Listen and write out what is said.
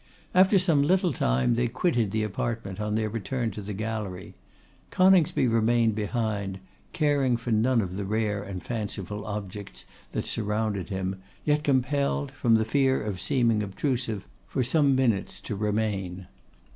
After some little time, they quitted the apartment on their return to the gallery; Coningsby remained behind, caring for none of the rare and fanciful objects that surrounded him, yet compelled, from the fear of seeming obtrusive, for some minutes to remain.